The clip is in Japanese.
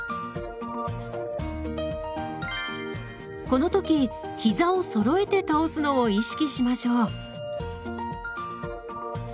この時ひざをそろえて倒すのを意識しましょう。